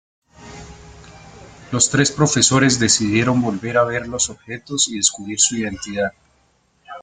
Los tres profesores decidieron volver a ver los objetos y descubrir su identidad.